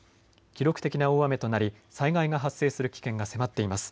記録的な大雨となり災害が発生する危険が迫っています。